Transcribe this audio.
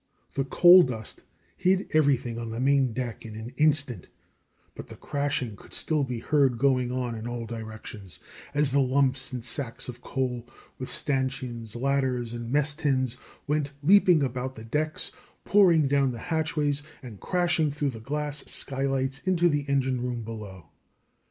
The coal dust hid everything on the main deck in an instant, but the crashing could still be heard going on in all directions, as the lumps and sacks of coal, with stanchions, ladders, and mess tins, went leaping about the decks, pouring down the hatchways, and crashing through the glass skylights into the engine room below.